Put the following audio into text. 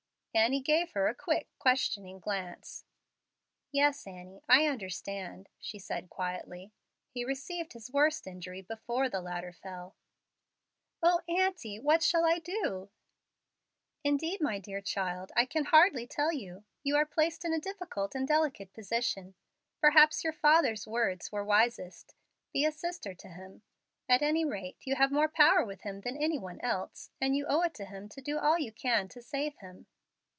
Annie gave her a quick, questioning glance. "Yes, Annie, I understand," she said, quietly. "He received his worst injury before the ladder fell." "O aunty, what shall I do?" "Indeed, my dear child, I can hardly tell you. You are placed in a difficult and delicate position. Perhaps your father's words were wisest, 'Be a sister to him.' At any rate, you have more power with him than any one else, and you owe it to him to do all you can to save him."